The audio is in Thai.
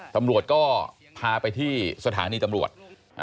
ตำรวจก็พาไปที่สถานีตำรวจ